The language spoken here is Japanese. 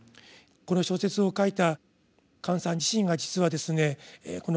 この小説を書いた姜さん自身が実はですね